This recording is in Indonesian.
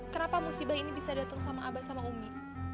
kenapa musibah ini bisa datang sama abah sama umi